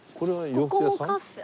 ここもカフェ。